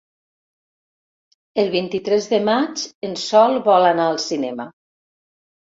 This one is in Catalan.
El vint-i-tres de maig en Sol vol anar al cinema.